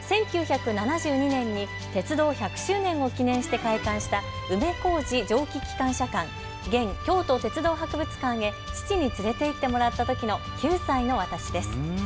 １９７２年に鉄道１００周年を記念して開館した梅小路蒸気機関車館、現・京都鉄道博物館へ父に連れていってもらったときの９歳の私です。